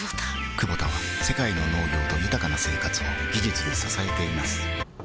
クボタは世界の農業と豊かな生活を技術で支えています起きて。